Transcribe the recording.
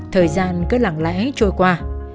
thời gian cứ lặng lẽ trôi qua